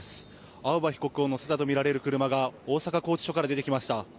青葉被告を乗せたとみられる車が大阪拘置所から出てきました。